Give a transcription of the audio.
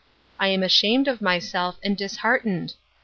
I am ashamed of myself, and disheartened.